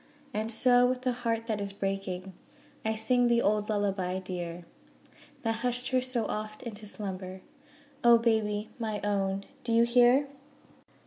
And so with a heart that is breaking I sing the old 'Lullaby dear' That hushed her so oft into slumber O baby my own do you hear?